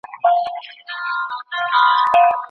رښتيا ويل له دروغو څخه غوره دي.